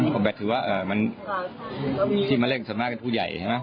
คอร์ดแบทถือว่ามันที่มาเล่นสำหรับผู้ใหญ่